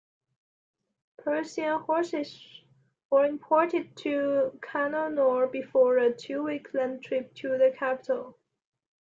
Persian horses were imported to Cannanore before a two-week land trip to the capital.